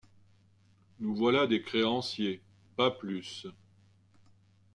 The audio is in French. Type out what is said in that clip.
Nous voilà des créanciers, pas plus...